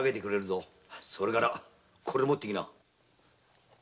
それからこれ持ってきな。